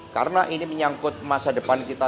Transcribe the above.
karena ini menyangkut masa depan kita